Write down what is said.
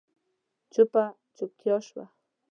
چوپه چوپتيا شوه.